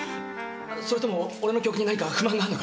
それとも俺の曲に何か不満があるのか？